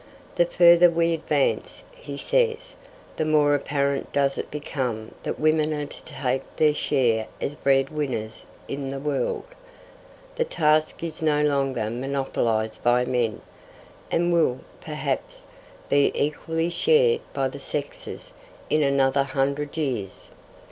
The further we advance, he says, the more apparent does it become that women are to take their share as bread winners in the world. The task is no longer monopolised by men, and will, perhaps, be equally shared by the sexes in another hundred years.